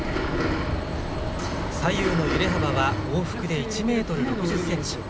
左右の揺れ幅は往復で１メートル６０センチ。